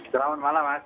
selamat malam mas